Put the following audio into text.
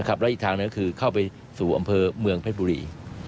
แล้วอีกทางหนึ่งก็คือเข้าไปสู่อำเภอเมืองเพชรบุรี